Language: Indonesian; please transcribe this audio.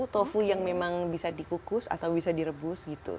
tofu yang memang bisa di kukus atau bisa di rebus gitu